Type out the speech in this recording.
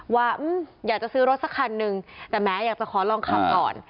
ว่าอยากจะซื้อรถสักคันนึงแต่แม้อยากจะขอลองขับก่อน